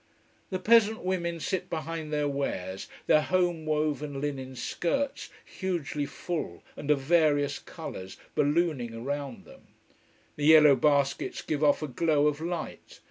The peasant women sit behind their wares, their home woven linen skirts, hugely full, and of various colours, ballooning round them. The yellow baskets give off a glow of light.